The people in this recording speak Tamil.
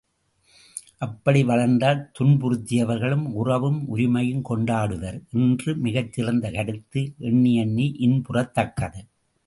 அப்படி வளர்ந்தால் துன்புறுத்தியவர்களும் உறவும் உரிமையும் கொண்டாடுவர், என்ற மிகச் சிறந்த கருத்து எண்ணி எண்ணி இன்புறத்தக்கது.